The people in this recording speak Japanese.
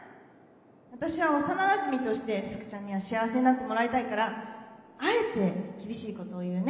私は幼なじみとして福ちゃんには幸せになってもらいたいからあえて厳しいことを言うね。